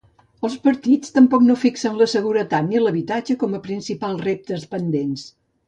Els partits tampoc no fixen la seguretat ni l'habitatge com a principals reptes pendents.